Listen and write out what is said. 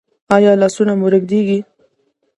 ایا لاسونه مو ریږدي؟